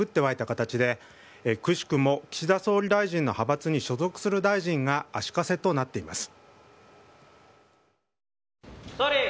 形でくしくも岸田総理大臣の派閥に所属する大臣が足かせとなっています。